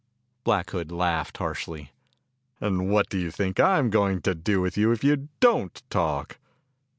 Black Hood laughed harshly. "And what do you think I'm going to do if you don't talk?"